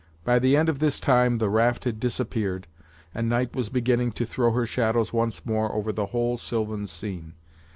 By the end of this time the raft had disappeared, and night was beginning to throw her shadows once more over the whole sylvan scene.